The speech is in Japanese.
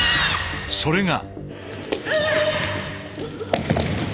それが。